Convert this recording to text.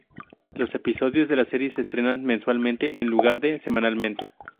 Los episodios de la serie se estrenan mensualmente en lugar de semanalmente.